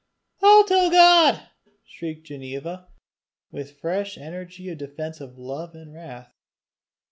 "I'll tell God," shrieked Ginevra with fresh energy of defensive love and wrath.